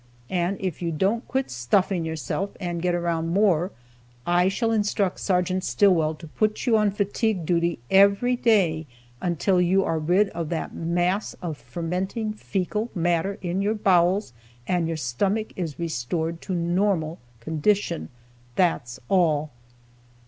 And if you don't quit stuffing yourself, and get around more, I shall instruct Sergeant Stillwell to put you on fatigue duty every day until you are rid of that mass of fermenting fecal matter in your bowels, and your stomach is restored to normal condition. That's all."